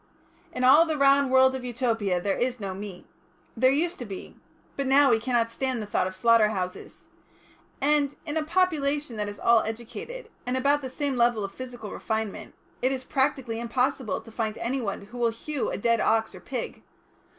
"In all the round world of Utopia there is no meat. There used to be. But now we cannot stand the thought of slaughter houses. And, in a population that is all educated, and at about the same level of physical refinement, it is practically impossible to find anyone who will hew a dead ox or pig.